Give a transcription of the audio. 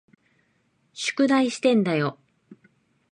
宿題してんだよ。